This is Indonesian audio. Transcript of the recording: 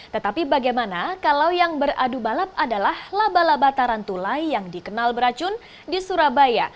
tetapi bagaimana kalau yang beradu balap adalah laba laba tarantula yang dikenal beracun di surabaya